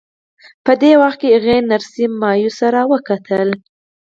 په دې وخت کې هغې نرسې مایوسه را وکتل